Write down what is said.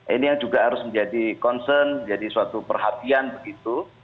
ini yang juga harus menjadi concern jadi suatu perhatian begitu